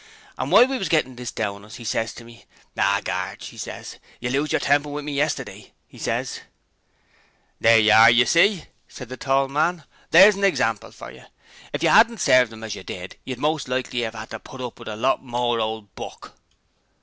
An' w'ile we was gettin' it down us, 'e ses to me, "Ah, Garge," 'e ses. "You losed your temper with me yesterday,"' 'e ses.' 'There you are, you see!' said the tall man. 'There's an example for yer! If you 'adn't served 'im as you did you'd most likely 'ave 'ad to put up with a lot more ole buck.'